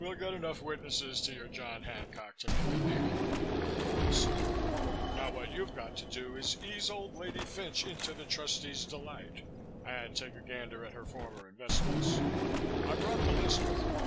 "We'll get enough witnesses to your John Hancock to make it legal," he promised. "Now what you've got to do is to ease old lady Fynch into the trustee's delight and take a gander at her former investments. I've brought the list with me.